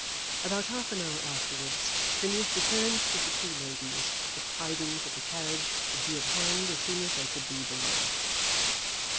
About half an hour afterwards Phineas returned to the two ladies with tidings that the carriage would be at hand as soon as they could be below.